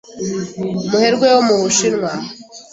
umuherwe wo mu Bushinwa.